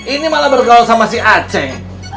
ini malah bergaul sama si aceh